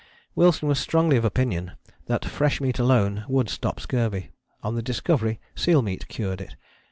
Wilson was strongly of opinion that fresh meat alone would stop scurvy: on the Discovery seal meat cured it.